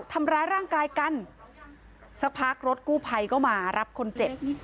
ทำร้ายร่างกายกันสักพักรถกู้ภัยก็มารับคนเจ็บ